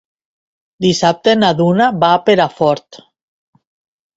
Dissabte na Duna va a Perafort.